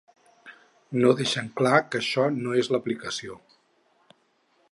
No deixen clar que això no és l’aplicació.